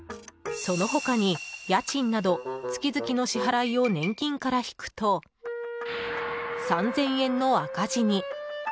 その他に家賃など月々の支払いを年金から引くと３０００円の赤字に。